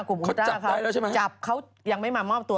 เขาจับได้แล้วใช่ไหมจับเขายังไม่มามอบตัว